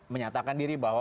menyatakan diri bahwa